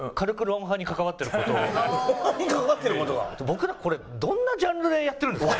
僕らこれどんなジャンルでやってるんですか？